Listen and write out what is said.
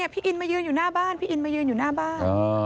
พี่อินมายืนอยู่หน้าบ้านพี่อินมายืนอยู่หน้าบ้าน